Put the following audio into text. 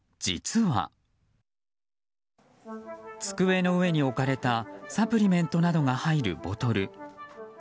机の上に置かれたサプリメントなどが入るボトル。